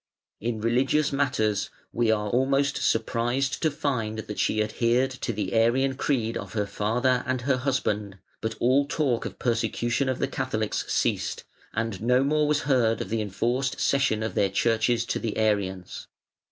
In religious matters we are almost surprised to find that she adhered to the Arian creed of her father and her husband, but all talk of persecution of the Catholics ceased, and no more was heard of the enforced cession of their churches to the Arians.